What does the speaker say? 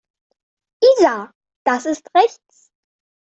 Isa, das ist rechts.